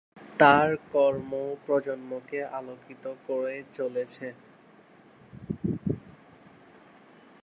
তাঁর কর্ম প্রজন্মকে আলোকিত করে চলেছে।